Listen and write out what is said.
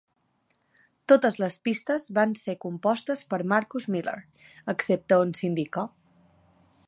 Totes les pistes van ser compostes per Marcus Miller, excepte on s'indica.